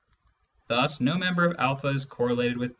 Thus no member of a is correlated with B.